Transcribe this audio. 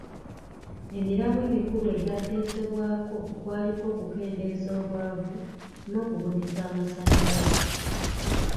Emiramwa emikulu egyateesebwako kwaliko okukendeeza obwavu n'okubunyisa amasannyalaze,